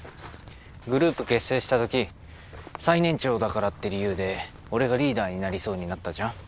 グループ結成したとき最年長だからって理由で俺がリーダーになりそうになったじゃん。